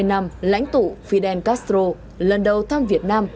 hai mươi năm lãnh tụ fidel castro lần đầu thăm việt nam